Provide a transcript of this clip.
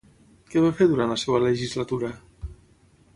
Què va fer durant la seva legislatura?